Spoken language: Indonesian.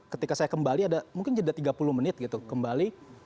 ketika saya kembali ada mungkin jeda tiga puluh menit gitu kembali